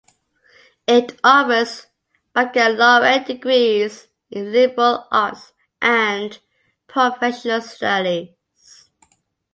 It offers baccalaureate degrees in liberal arts and professional studies.